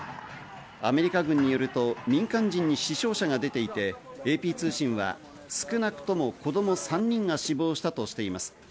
アメリカ軍によると、民間人に死傷者が出ていて、ＡＰ通信は少なくとも子ども３人が死亡したとしています。